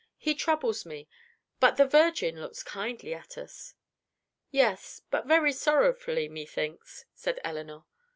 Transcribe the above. "He troubles me. But the virgin looks kindly at us." "Yes; but very sorrowfully, methinks," said Elinor.